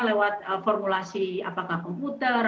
lewat formulasi apakah komputer